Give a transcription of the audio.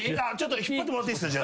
引っ張ってもらっていいっすか？